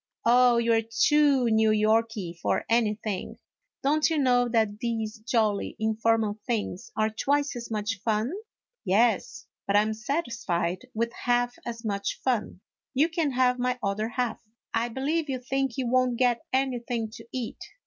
" Oh, you 're too New Yorky for anything ; don't you know that these jolly informal things are twice as much fun ?"" Yes ; but I 'm satisfied with half as much fun ; you can have my other half." " I believe you think you won't get anything to eat."